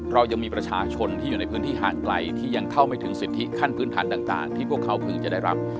เรายังมีประชาชนที่อยู่ในพื้นที่ห่างไกลที่ยังเข้าไม่ถึงสิทธิขั้นพื้นฐานต่างที่พวกเขาเพิ่งจะได้รับ